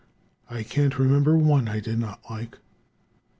I can't remember one I did not like.